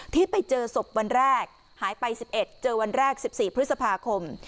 ที่ไปเจอศพวันแรกหายไป๑๑เจอวันแรก๑๔พฤษภาคม